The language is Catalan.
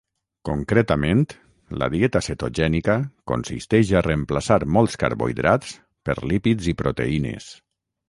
Concretament, la dieta cetogènica consisteix a reemplaçar molts carbohidrats per lípids i proteïnes.